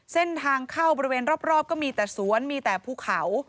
เส้นทางเข้าบริเวณรอบก็มีแต่สวนมีแต่ภูเขา